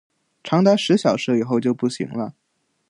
长达十小时以后就不行了